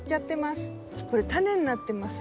これタネになってます。